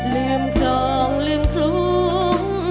ลืมคลองลืมคลุ้ง